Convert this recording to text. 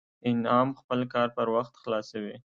انعام خپل کار پر وخت خلاصوي